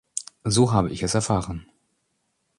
So habe ich es erfahren.